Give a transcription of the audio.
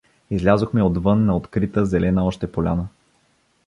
Излязохме отвън на открита, зелена още поляна.